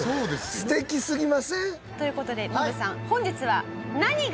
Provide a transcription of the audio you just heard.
素敵すぎません？という事でノブさん本日は。